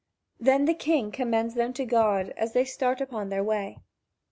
Then the king commends them to God as they start upon their way.